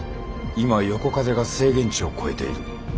今横風が制限値を超えている。